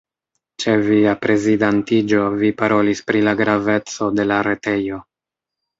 Ĉe via prezidantiĝo, vi parolis pri la graveco de la retejo.